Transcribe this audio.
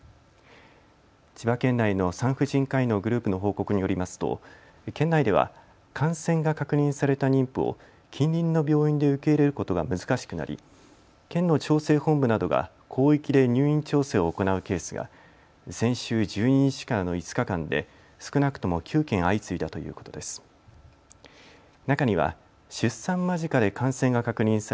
千葉県内の産婦人科医のグループの報告によりますと県内では感染が確認された妊婦を近隣の病院で受け入れることが難しくなり県の調整本部などが広域で入院調整を行うケースが先週１２日からの５日間で少なくとも９件相次いだということです。